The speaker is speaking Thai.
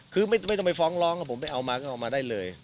คือไม่ต้องไปฟ้องร้องผมไปเอามาก็เอามาได้เลย